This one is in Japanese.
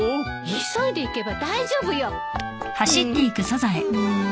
急いで行けば大丈夫よ。